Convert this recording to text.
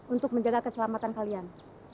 untuk menjaga keselamatan kalian